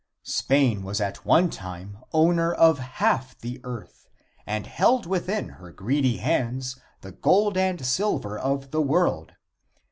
Spain was at one time owner of half the earth, and held within her greedy hands the gold and silver of the world.